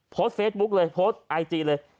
โพสต์เฟซบุ๊กเลยโพสต์ไอจีเลย